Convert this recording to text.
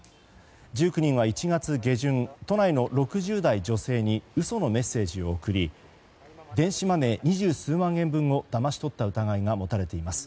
１９人は１月下旬都内の６０代女性に嘘のメッセージを送り電子マネー二十数万円分をだまし取った疑いが持たれています。